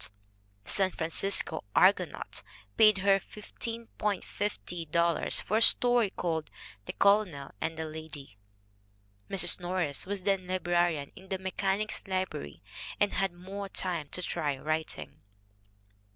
The San Francisco Argonaut paid her 1 $15:5 f r a storv called The Colonel and the Lady. Mrs. Norris was then librarian in the Mechanics' Li brary and had more time to try writing.